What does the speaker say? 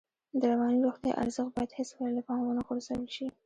د رواني روغتیا ارزښت باید هېڅکله له پامه ونه غورځول شي.